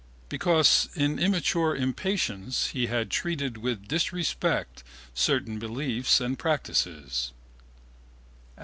Because in immature impatience he had treated with disrespect certain beliefs and practices.